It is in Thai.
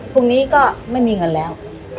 พรุ่งนี้ก็ไม่มีเงินแล้ว